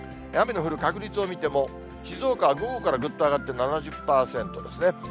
雨の降る確率を見ても、静岡は午後からぐっと上がって７０％ですね。